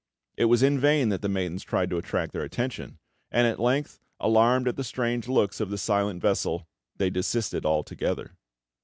It was in vain that the maidens tried to attract their attention; and at length, alarmed at the strange looks of the silent vessel, they desisted altogether.